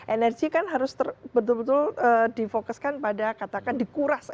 energi kan harus betul betul difokuskan pada katakan dikuras